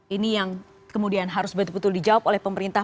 ini yang kemudian harus betul betul dijawab oleh pemerintah